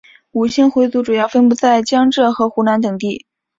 伍姓回族主要分布在江浙和湖南等地。